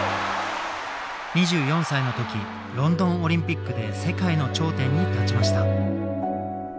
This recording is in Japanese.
２４歳の時ロンドンオリンピックで世界の頂点に立ちました。